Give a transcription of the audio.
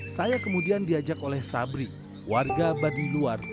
saya kemudian diajak oleh sabri warga baduy luar